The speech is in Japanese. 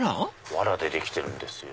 わらでできてるんですよ。